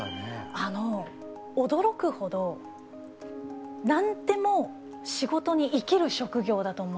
あのおどろくほど何でも仕事に生きる職業だと思うんですよ。